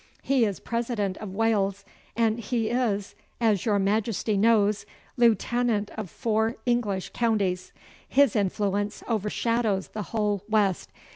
'He is President of Wales, and he is, as your Majesty knows, lieutenant of four English counties. His influence overshadows the whole West.